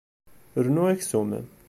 Rnu aksum.